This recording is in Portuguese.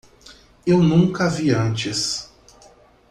Eu nunca a vi antes.